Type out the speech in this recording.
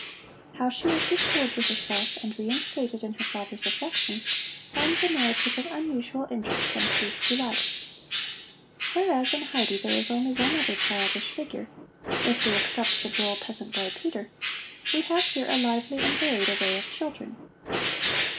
How she was restored to herself and reinstated in her father's affection forms a narrative of unusual interest and truth to life. Whereas in Heidi there is only one other childish figure if we except the droll peasant boy Peter we have here a lively and varied array of children.